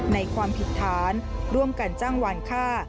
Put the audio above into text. ความผิดฐานร่วมกันจ้างวานค่า